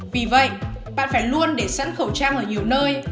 vì vậy bạn phải luôn để sẵn khẩu trang ở nhiều nơi